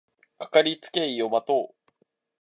かかりつけ医を持とう